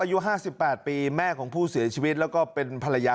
อายุ๕๘ปีแม่ของผู้เสียชีวิตแล้วก็เป็นภรรยา